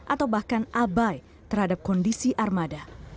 atau bahkan abai terhadap kondisi armada